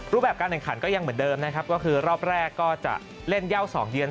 รูปแบบการแข่งขันก็ยังเหมือนเดิมนะครับก็คือรอบแรกก็จะเล่นเย่า๒เยือน